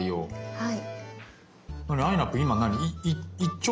はい。